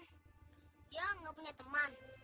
dia gak punya teman